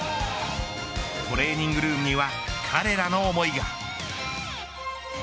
トレーニングルームには彼らの思いが。